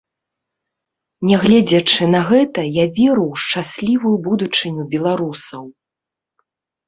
Нягледзячы на гэта, я веру ў шчаслівую будучыню беларусаў.